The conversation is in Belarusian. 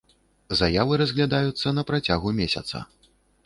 Заявы разглядаюцца на працягу месяца.